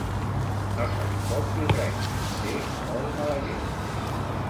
No se li pot dir res, té molt mala llet.